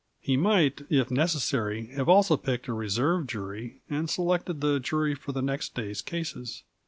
He might, if necessary, have also picked a reserve jury, and selected the jury for the next day's cases.